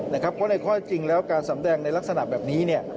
เพราะในข้อจริงแล้วการสำแดงในลักษณะแบบนี้